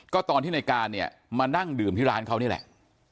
ก็ตอนที่ในการเนี่ยมานั่งดื่มที่ร้านเขานี่แหละ